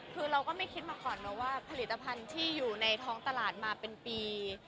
คือเราก็ไม่คิดมาก่อนนะว่าผลิตภัณฑ์ที่อยู่ในท้องตลาดมาเป็นปี